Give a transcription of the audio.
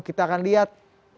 kita akan lihat